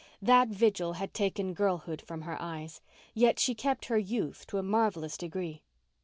That vigil had taken girlhood from her eyes, yet she kept her youth to a marvellous degree.